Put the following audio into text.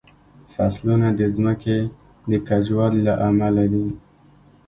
فصلونه د ځمکې د کجوالي له امله دي.